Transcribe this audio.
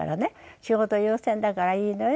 「仕事優先だからいいのよ」っていう。